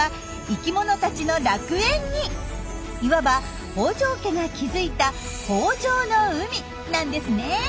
いわば北条家が築いた豊饒の海なんですね。